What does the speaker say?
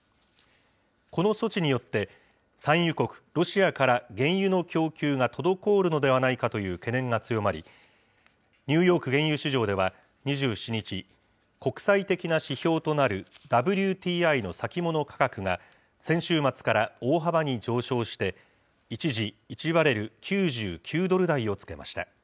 この措置によって、産油国、ロシアから原油の供給が滞るのではないかという懸念が強まり、ニューヨーク原油市場では２７日、国際的な指標となるＷＴＩの先物価格が、先週末から大幅に上昇して、一時、１バレル９９ドル台をつけました。